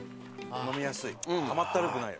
飲みやすい。